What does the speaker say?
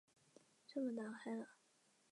始于中国南北朝。